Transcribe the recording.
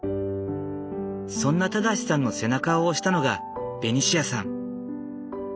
そんな正さんの背中を押したのがベニシアさん。